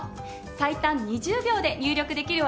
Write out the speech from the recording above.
最短２０秒で入力できるわよ。